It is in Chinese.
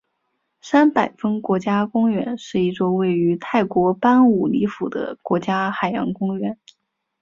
三百峰国家公园是一座位于泰国班武里府的国家海洋公园。